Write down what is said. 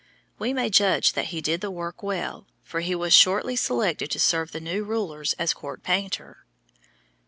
We may judge that he did the work well, for he was shortly selected to serve the new rulers as court painter.